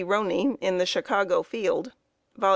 Roney, in the Chicago Field (Vol.